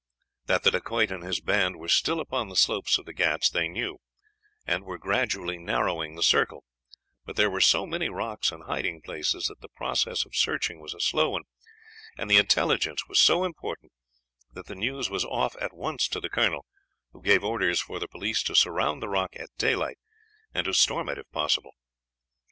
That the Dacoit and his band were still upon the slopes of the Ghauts they knew, and were gradually narrowing their circle, but there were so many rocks and hiding places that the process of searching was a slow one, and the intelligence was so important that the news was off at once to the colonel, who gave orders for the police to surround the rock at daylight and to storm it if possible.